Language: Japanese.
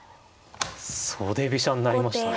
袖飛車になりましたね。